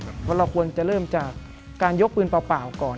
เพราะเราควรจะเริ่มจากการยกปืนเปล่าก่อน